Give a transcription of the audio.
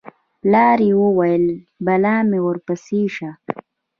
پلار یې وویل: بلا مې ورپسې شه